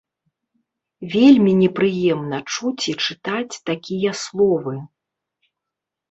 Вельмі непрыемна чуць і чытаць такія словы.